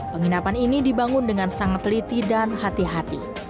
penginapan ini dibangun dengan sangat teliti dan hati hati